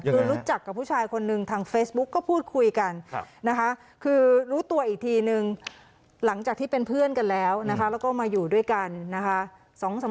คือรู้จักกับผู้ชายคนนึงทางเฟซบุ๊กก็พูดคุยกันนะคะคือรู้ตัวอีกทีนึงหลังจากที่เป็นเพื่อนกันแล้วนะคะแล้วก็มาอยู่ด้วยกันนะคะ